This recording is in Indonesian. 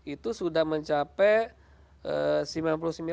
itu sudah mencapai sembilan puluh sembilan persen